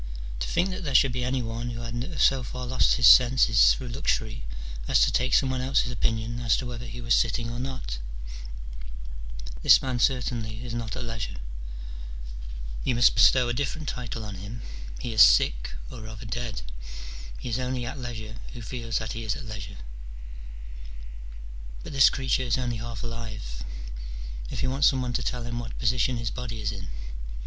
To think that there should be any one who had so far lost his senses through luxury as to take some one else's opinion as to whether he was sitting or not ? This man certainly is not at leisure : you must bestow a different title on him : he is sick, or rather dead : he only is at leisure who feels that he is at leisure : but this creature is CH, XIII.] OF THE SHORTNESS OF LIFE. 307 only half alive, if he wants some one to tell him what position his body is in.